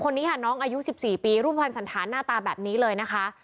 คนนี้ค่ะน้องอายุ๑๔ปีรูปภัณฑ์สันธารหน้าตาแบบนี้เลยนะคะ